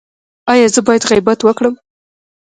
ایا زه باید غیبت وکړم؟